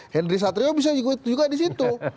hendri satrio bisa juga di situ